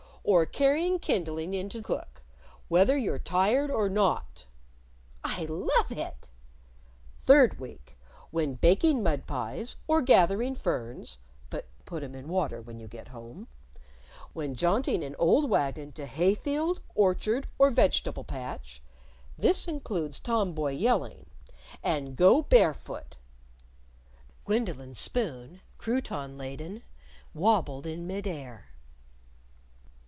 or carrying kindling in to Cook whether you're tired or not!" "I love it!" "Third week: When baking mudpies, or gathering ferns (but put 'em in water when you get home); when jaunting in old wagon to hay field, orchard or vegetable patch this includes tomboy yelling. And go barefoot." Gwendolyn's spoon, crouton laden, wabbled in mid air.